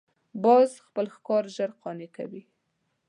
باز خپل ښکار ژر قانع کوي